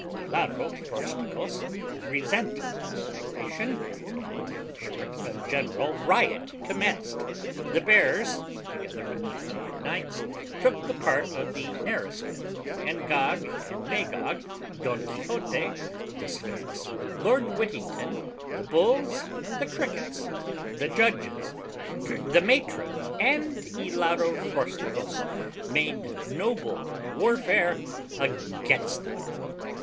Hilaro Frosticos resented this oration, and in short a general riot commenced. The bears, together with the hundred knights, took the part of the Nareskin, and Gog and Magog, Don Quixote, the Sphinx, Lord Whittington, the bulls, the crickets, the judges, the matrons, and Hilaro Frosticos, made noble warfare against them.